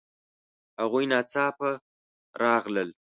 هغوی ناڅاپه راغلل